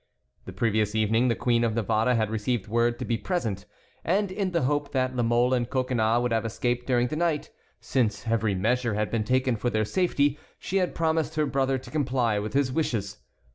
The previous evening the Queen of Navarre had received word to be present, and, in the hope that La Mole and Coconnas would have escaped during the night, since every measure had been taken for their safety, she had promised her brother to comply with his wishes.